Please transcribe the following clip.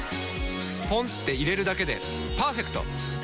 ポンって入れるだけでパーフェクト！